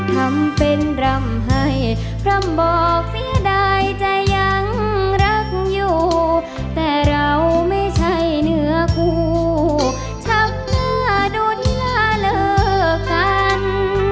ทำเป็นร่ำให้พร่ำบอกเสียดายจะยังรักอยู่แต่เราไม่ใช่เนื้อคู่ช้ำหน้าดูที่ลาเลิกกัน